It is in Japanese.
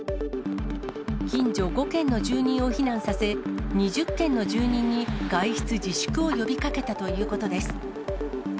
近所５軒の住人を避難させ、２０軒の住人に外出自粛を呼びかけたということです。